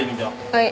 はい。